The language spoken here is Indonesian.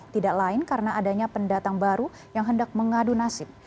tidak lain karena adanya pendatang baru yang hendak mengadu nasib